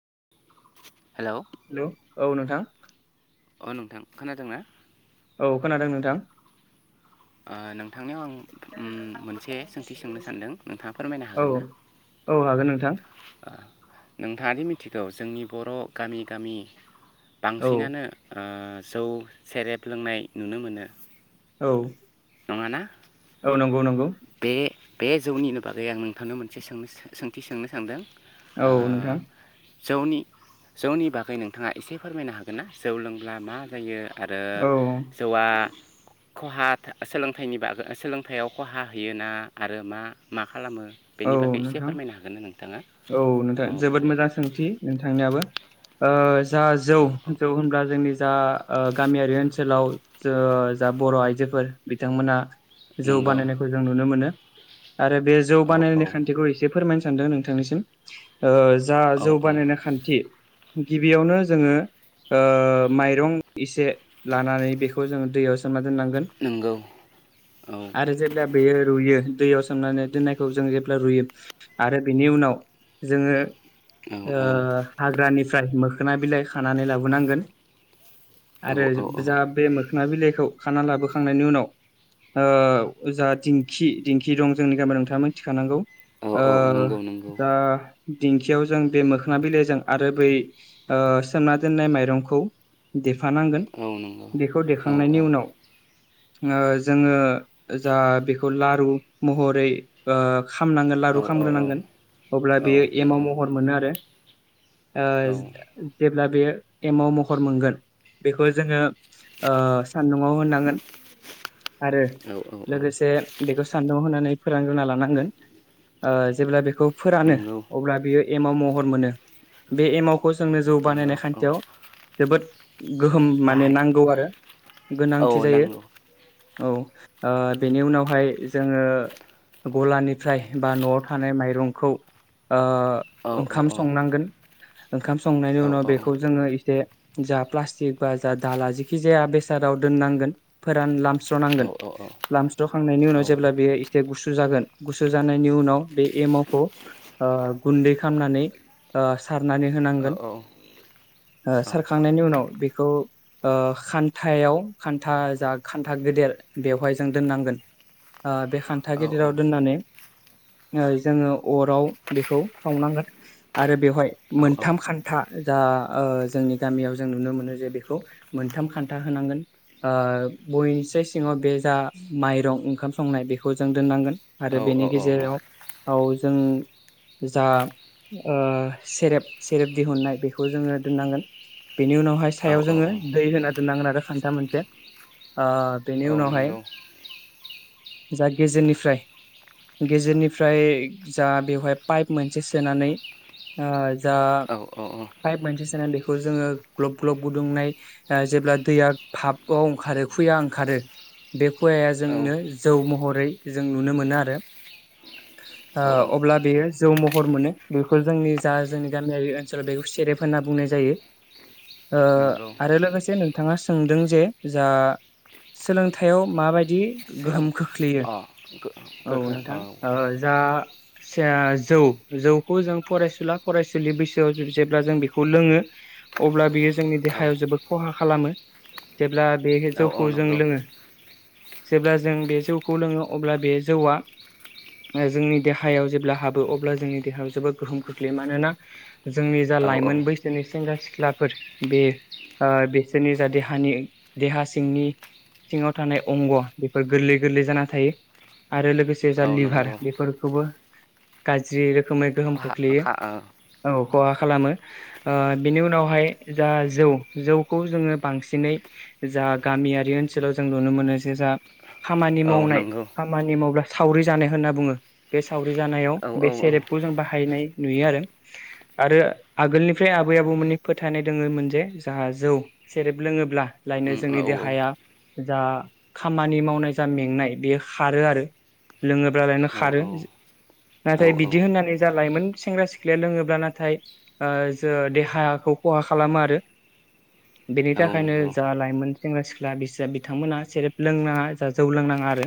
[inaudible] Hello औ नोंथां [inaudible] अ नोंथां खोनादोंना? औ खोनादों नोंथां। ओ नोंथांनियाव आं उम मोनसे सोंथि सोंनो सानदों नोंथाङा फोरमायनो औ हागोन ना? औ हागोन नोंथां नोंथाङादि मिथिगौ जोंनि बर गामि गामि औ बांसिनानो ओ जौ सेरेब लोंनाय नुनो मोनो। औ नङा ना? गौ नंगौ। बे जौनिनो बागै आं नोंथांनो मोनसे सोंनो सोंथि सोंनो सानदों। ओ औ नोंथां जौनि जौनि बागै नोंथाङा इसे फोरमायनो हागोन ना जौ लोंब्ला मा जायो? आरो औ जौआ खहा सोलोंथाइनि बागै सोलोंथायाव खहा होयोना आरो मा मा?? खालामो औ बेनि बागै एसे नोंथां फोरमायनो हागोन ना नोंथाङा औ नोंथां औ औ जोबोद मोजां सोंथि नोंथांनियाबो ओ जा जौ औ औ जौ होनब्ला जोंनि जा ओ गामियारि ओनसोलाव ज जा बर आइजोफोर बिथांमोना जौ नंगौ बानायनायखौ जों नुनो मोनो। आरो बे जौ औ औ बानायनि खान्थि खौ इसे फोरमायनो सानदों नोंथांनिसिम ओ जा औ जौ औ बानायनाय खान्थि गिबियावनो जोङो माइरं इसे लानानै बेखौ जोङो दैयाव सोमना नांगोन नंगौ औ आरो जेब्ला बेयो रुयो दैयाव सोंनानै दो खौ जों जेब्ला रुयो आरो बिनि उनाव जोङो औ ओ औ हाग्रानिफ्राय मो खोना बिलाय खानानै लाबोनांगोन आरो औ जा बे मो मोखोना बिलाइखौ खाना लाबोखांनायनि उनाव जा दिंखि दिंखि दं जोंनि गामियाव नोंथां थिखानांगौ औ औ ओ नंगौ नंगौ जा दिंखियाव जों बे मोखोना बिलाइजों आरो बै सोमना दोननाय माइरंखौ दे थानांगोन औ नंगौ बेखौ औ देखांनायनि उनाव जोङो जा बेखौ लारु महरै ओ खामनांगोन औ लारु औ खामग्रोनांगोन अब्ला औ बेयो एमाव नंगौ महर मोनो आरो ओ औ दे जेब्ला बे एमाव महर मोनगोन बेखौ जोङो ओ सान्दुआव होनांगोन। आरो औ औ लोगोसे बेखौ सान्दुंआव होननानै फोरानग्रो गोन ओ जेब्ला बेखौ फोरानो नंगौ अब्ला बियो एमाव महर मोनो। बे एमावखौ जोंनो जौ नंगौ बानायनाय औ खान्थियाव जोबोद गोहोम माने बाहाय नांगौ आरो औ गोनांथि जायो। नांगौ औ अ बेनि उनावहाय जोङो गलानिफ्राय बा नआव थानाय माइरंखौ अ औ औ ओंखाम औ संनांगोन। ओंखाम संनायनि औ उनाव बेखौ जोङो एसे। जा प्लास्टिक बा जा दाला जेखि जाया बेसादाव दोननांगोन फोरान लाम औ स्रनांगोन औ लामस्र खांनायनि उनाव जेब्ला बेयो एसे गुसु जागोन गुसु जानायनि उनाव बे एमाखौ अ गुन्दै खालामनानै अ सारनानै होनांगोन अ सारखांनायनि उनाव बेखो खौ ओ खान्थायाव खान्था जा खान्था गेदेर बेवहाय जों दोननांगोन ओ बे खा न्था औ गेदेराव दोननानै ओ जोङो अराव बेखौ सावनांगोन आरो बेवहाय औ औ मोनथाम खान्था जा ओ जोंनि गामियाव जों नुनो मोनो जे बेखौ मोनथाम खान्था होनांगोन ओ बयनिस्राय सिङाव बे जा माइरं ओंखाम संनाय बेखौ बेखौ जों दोननांगोन औ आरो औ बेनि औ गेजेराव औ जों जा ओ सेरेब सेरेब दिहुननाय बेखौ जोङो दोननांगोन। बेनि उनाव हाय औ सायाव जोङो औ दै होना दोननांगोन आरो खान्था मोनसे ओ बेनि औ उनावहाय नंगौ जा गेजेरनिफ्राय-गेजेरनिफ्राय जा बेवहाय पाइप मोनसे सोनानै ओ जा औ औ पाइप मोनसे सोनानै दैखौ जोङो ग्लब ग्लब ओ गुदुंनाय जेब्ला दैया भाबाव ओंखारो खुया ओंखारो बे खुवाया औ जोंनो जौ महरै जों नुनो मोनो आरो ओ औ औ अब्ला बेयो जौ महर मोनो बेखौ जोंनि जा जोंनि गामियारि ओनसोलाव बेखौ सेरेफ होनना बुंनाय जायो। ओ नंगौ आरो लोगोसे नों नोंथाङा सोंदों जे जा सोलोंथायाव माबायदि सोरां गोहोम खोख्लैयो अ गो- औ गोख्रों नोंथां ओ जा जा जौ जौखौ जों फरायसुला फरायसुलि बैसोआव जे जेब्ला जों बेखौ लोङो अब्ला बियो जोंनि औ देहायाव जोबोद खहा खालामो। ब्ला बे औ औ जौखौ जों नंगौ लोङो जेब्ला जों बे जौखौ लोङो अब्ला बे जौवा अ जोंनि देहायाव जेब्ला हाबो अब्ला जोंनि देहायाव जोबोद गोहोम खोख्लैयो मानोना जोंनि जा औ औ लाइमोन बैसोनि सेंग्रा सिख्लाफोर बे ओ बेसोरनि जा देहानि देहा सिंनि सिङाव थानाय अंग' बेफोर गोरलै गोरलै जाना थायो। आरो लोगोसे जा औ लिभार नंगौ बेफोर [unintelligible] गाज्रि रोखोमै गोहोम खहा खोख्लैयो खा औ औ। खहा खालामो ओ बिनि उनावहाय जा जौ जौखौ जोङो बांसिनै जा गामियारि ओनसोलाव जों नुनो मोनो जे जा खामानि औ मावनाय नंगौ खामानि मावब्ला सावरि जानाय होनना बुङो बे सावरि जानायाव औ औ बे औ सेरेबखौ जों बाहायनाय नुयो आरो आरो आगोलनिफ्राय आबै आबौमोननि फोथायनाय दोङोमोन जे जाहा जौ सेरेब लोङोब्ला लायनो उम औ जोंनि औ देहाया जा खामानि मावनाय जा मेंनाय बेयो खारो आरो लोङोब्लाालायनो औ खारो औ नाथाय बिदि होननानै जा लाायमोन सेंग्रा सिख्लाया लोङोब्ला नाथाय ओ जो देहाखौ खहा खालामो आरो। बेनि औ थाखायनो नंगौ जा लाइमोन सेंग्रा सिख्ला बिस-बिथांमोना सेरेब लोंना जौ लोंनाङा आरो।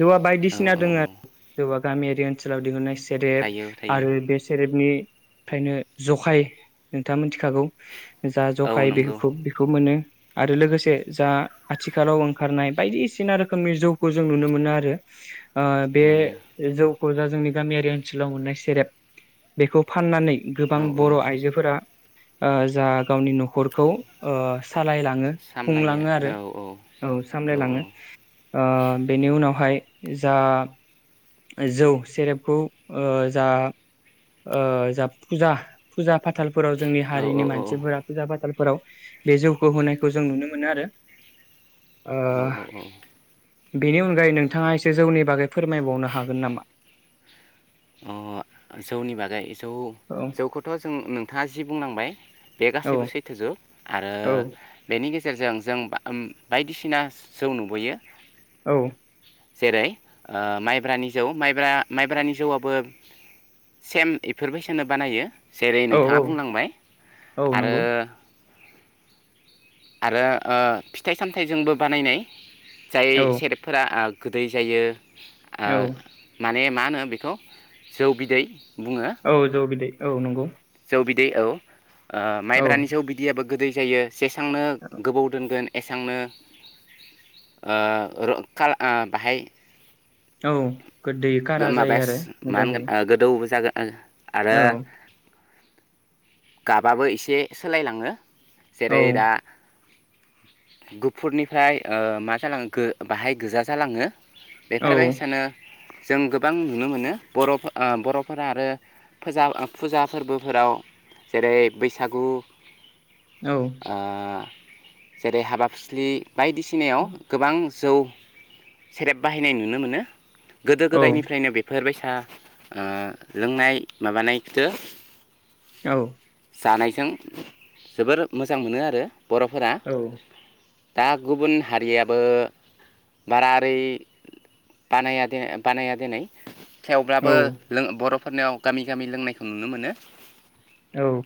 जौआ औ बायदिसिना औ दङ आ औ जौआ गामियारि ओनसोलाव दिहुननाय सि सेरेब थायो थायो आरो बे सेरेबनि फ्रायनो जखाय नोंथाङा मिथिखागौ जा औ जखाय नंगौ बेख-बेखौ मोनो। आरो लोगोसे जा आथिखालाव ओंखारनाय बायदिसि सिना रोखोमनि जौखौ जों नुनो मोनो आरो आ बे नुयो जौखौ जा जोंनि गामियारि ओनसोलाव मोननाय सेरेब बेखौ फाननानै गोबां औ औ बर आइजोफोरा अ जा गावनि नखरखौ सालायलाङो [unintelligible] सामलायो खुंलाङो औ आरो औ सामलायलाङो अ बेनि उनावहाय जा जौ सेरेबखौ अ जा अ जा फुजा फुजा फाथालफोराव जोंनि औ हारिनि औ मानसिफोरा फुजा फाथालफोराव बे जौखौ होनायखौ जों नुनो मोनो आरो औ औ अ औ बेनि अनगायै नोंथाङा एसे जौनि बागै फोरमायबावनो हाग हागोन नामा? अ जौनि बागै जौ औ जौखौथ जों नोंथाङा जि बुंनांबाय बे औ गासैबो सैथोजों आरो औ बेनि गेजेर गेजेरजों जों बायदिसिना जौ नुबोयो औ जेरै माइब्रानि जौ माइब्रा माइब्रानि जौवा बो सेम एफोरबायसानो बानायो जेरै औ नोंथाङा औ बुंलांबाय औ आरो नंगौ आरो फिथाइ सामथायाइजोंबो बानायनाय जाय औ सेरेबफोरा आ गोदै जायो आ औ माने मा होनो बेखौ जौ बिदै [inaudible] औ जौ बिदै औ नंगौ जौ बिदै औ अ औ माइब्रानि जौ बिदियाबो गोदै जायो जेसांनो गोबाव दोनगोन एसांनो ओ र खाला ओ बाहाय औ गोदै कारा जायो गोमाबास आरो मा मोजां होनगोन जायो ओ गोदौ जागोन आ आरो औ गाबाबो एसे सोलायलाङो औ जेरै दा गुफुरनिफ्राय ओ मा जालांखो बाहाय गोजा जालाङो औ बेफोरबायसानो जों गोबां नुनो मोनो बरं फो ओ बर'फोरा आरो फोजा ओ फुजा फोरबोफोराव जेरै बैसागु औ ओ जेरै हाबा फुस्लि बायदिसिनायाव गोबां जौ सेरेब बाहायनाय नुनो मोनो गोदो औ गोदायनिफ्रायनो बेफोरबायसा ओ लोंनाय माबानाय को औ। जानायजों जोबोर मोजां मोनो आरो बर'फोरा दा गुबुन हारियाबो बारा ओरै बानाया देन बानाया देनाय थेवब्लाबो लों बर' फोरनियाव गामि गामि लोंनायखौ नुनो मोनो औ।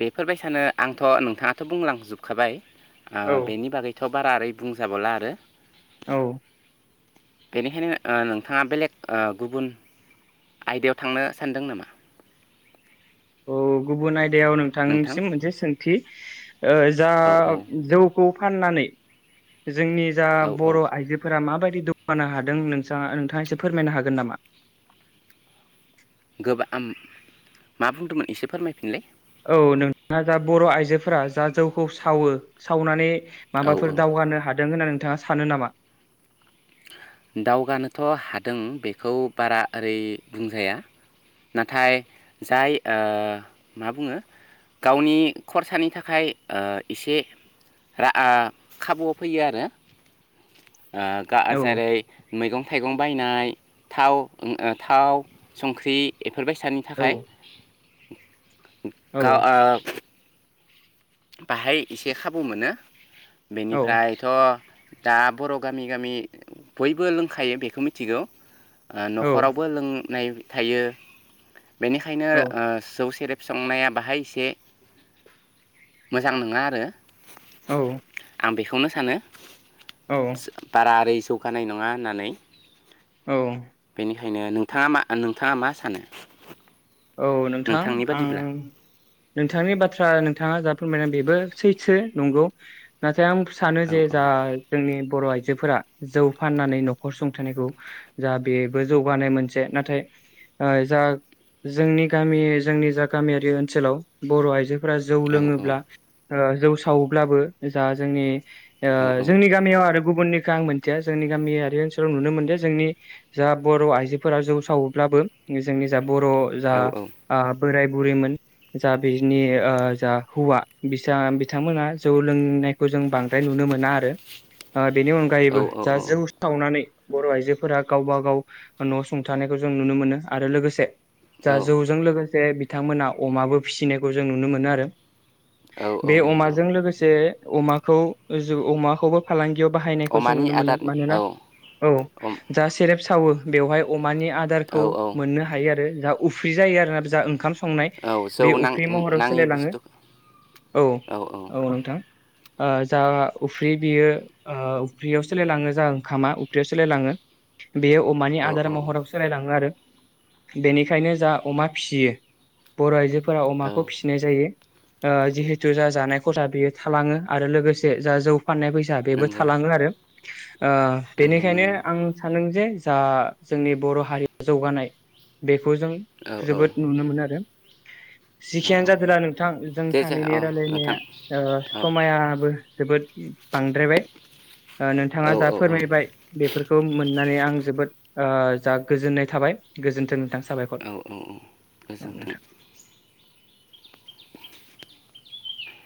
बेफोरबायसानो आंथ' नोंथाङाथ' बुंलांजोबखाबाय ओ औ बेनि बागैथ' थ' बारा ओरै बुंजाबावला आरो औ। बेनिखायनो ओ नोंथाङा बेलेग ओ गुबुन आयदायाव थांनो सानदों नामा? औ गुबुन आय याव नोंथां नोंथांनिसिम मोनसे सोंथि ओ जा औ औ जौ खौ फाननानै जोंनि जा औ औ बर' आइजोफोरा माबायदि दुपपानो हादों नोंसांआ नोंथाङा एसे फोरमायनो हागोन नामा? गोबा आं मा बुंदोंमोन एसे फोरमायफिनलाय। औ नोंथाङा जा बर' आइजोफोरा जा जौखौ सावो सावनानै औ औ माबाफोर दावगानो हायो दों होनना नोंथाङा सानो नामा? दावगानोथ' हादों बेखौ बारा ओरै बुंजाया नाथाय जाय ओ मा बुङो गावनि खरसानि थाखाय ओ एसे रा खाबुआव फैयो आरो ओ गाह औ जेरै मैगं थाइगं बायनाय थाव थाव संख्रि फोरबायसानि औ थाखाय औ [inaudible] गा ओ बाहाय एसे खाबु मोनो। औ बेनिफ्रायथ दा बर' गामि गामि बयबो लोंखायो बेखौ मिथिगौ। आ औ नखरावबो लोंनाय थायो। बेनिखायनो औ ओ जौ सेरेब। संनाया बाहाय एसे। मोजां नोङा आरो। औ। आं बेखौनो सानो। औ बारारि जौगानाय नङा होननानै औ। खायनो नोंथाङा मा नोंथाङा मा सानो? औ नोंथां नोंथांनि बादिब्ला आं। नोंथांनि बाथ्रा नोंथाङा जा फोरमायनाय बेबो सैथो नंगौ ना। आं सानो औ जे औ जा जोंनि। बर' आइजोफोरा जौ फाननानै नखर सुंथनायखौ जा बेबो जौगानाय मोनसे नाथाय ओ जा। जोंनि गामि जोंनि जा गामियारि ओनसोलाव बर' आइजो फोर जौ औ लोङोब्ला ओ जौ सावोब्लाबो जा जोंनि। ओ औ औ जोंनि गामियाव आरो। गुबुननिखौ आं मनथिया जोंनि गामियारि ओनसोलाव नुनो मोनदों जोंनि जा बर' आइजोफोरा जौ सावोब्लाबो जोंनि जा बर' जा औ आ। बोराय बुरैमोन जा बिनि ओ जा हौवा बिचा बिथांमोनहा जौ लोंनायखौ जों बांद्राय नुनो मोना आरो ओ बेनि अनगायैबो जा जौ सावनानै बर' आइजोफोरा गावब गाव न सुंथानायखौ जों नुनो मोनो आरो लोगोसे औ जा जौ जों लोगो। बिथांमोना अमाबो फिसिनायखौ जों नुनो मोनो आरो। औ औ बे नंगौ अमाजों लोगोसे अमाखौ अमाखौबो फालांगियाव बाहायनायखौ जों अमानि नुनो मोनो आदार मानोना औ औे औ जाहा सेरेब सावो बेवहाय अमानि आदारखौ औ मोननो हायो आरो। जा उफ्रि जायो आरोना जा ओंखाम संनाय औ जौ बे नां उफ्रि महराव नाङि सोलायलाङो बुस्थु औ औ नोंथां। ओ जा उफ्रि बियो ओ उफ्रियाव सोलायलाङो जा ओंखामा उफ्रियाव सोलायलाङो। बेयो अमानि औ आदार औ महराव सोलायलाङो आरो। बेनि फ्रायनो जा अमा फिसियो बर' आइजो फोरा अमाखौ फिसिनाय जायो। ओ जिहेथु जा जानाय खथा बेयो थालाङो आरो लोगोसे जा जौ फाननाय फैसा बेबो नंगौ थालाङो आरो। ओ नंगौ बेनिखायनो नंगौ आं सानोदों जे जा जोंनि बर' हारियाव जौगानाय बे खौ जों औ औ जोबोद नुनो मोनो आरो। औ जिखियानो औ जादोंला नोंथां जों दे जे सानैनि औ रायलायनाया नोंथां ओ औ समायाबो जोबोद बांद्रायबाय ओ नोंथाङा औ जा औ औ फोरमायबाय बेफोरखौ मोननानै आं जोबोद ओ जा गोजोननाय थाबाय गोजोन्थों नोंथां। साबायखर औ औ औ औ नोंथां। गोजोन्थों।